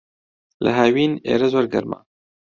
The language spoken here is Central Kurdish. لە ھاوین، ئێرە زۆر گەرمە.